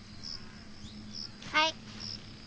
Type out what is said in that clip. はい。